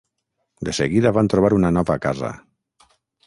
De seguida van trobar una nova casa.